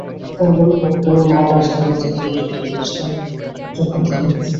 তিনি তার বন্ধু অ্যান্টনি মাউরার স্বাধীনতার দলে যুদ্ধরত ছিলেন যখন তিনি।